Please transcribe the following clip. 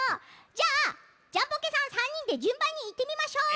じゃあジャンポケさん３にんでじゅんばんにいってみましょう！